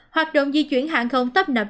hoạt động di chuyển hạng không tấp nập